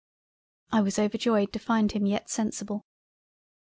I was overjoyed to find him yet sensible.